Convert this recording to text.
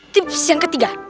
tips yang ketiga